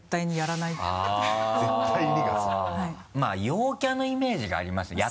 陽キャのイメージがありますね。